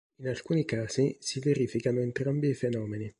In alcuni casi si verificano entrambi i fenomeni.